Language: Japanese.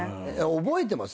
覚えてます？